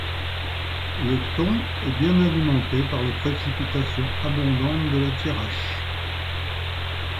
Le Thon est bien alimenté par les précipitations abondantes de la Thiérache.